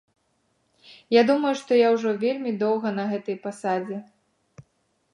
Я думаю, што я ўжо вельмі доўга на гэтай пасадзе.